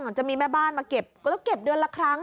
จะมีแม่บ้านมาเก็บแล้วเก็บเดือนละครั้ง